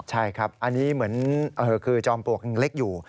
ใช่ครับอันนี้เหมือนคือจอมปลวกยังเล็กอยู่